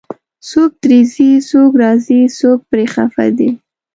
څوک ترې ځي، څوک راځي، څوک پرې خفه دی